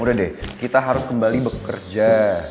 udah deh kita harus kembali bekerja